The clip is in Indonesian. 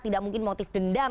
tidak mungkin motif dendam